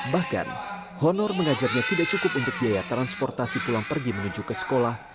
bahkan honor mengajarnya tidak cukup untuk biaya transportasi pulang pergi menuju ke sekolah